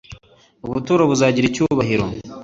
Ubuturo buzagira icyubahiro